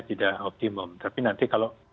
tidak optimum tapi nanti kalau